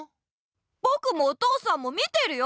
ぼくもお父さんも見てるよ！